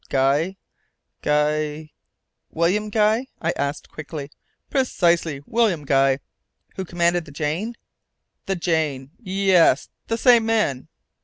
Guy, Guy " "William Guy?" I asked, quickly. "Precisely. William Guy." "Who commanded the Jane?" "The Jane? Yes. The same man."